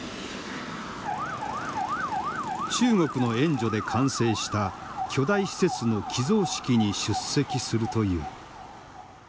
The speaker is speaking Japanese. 中国の援助で完成した巨大施設の寄贈式に出席するという。